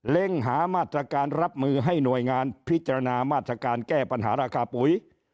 เร่งหามาตรการรับมือให้หน่วยงานพิจารณามาตรการแก้ปัญหาราคาปุ๋ย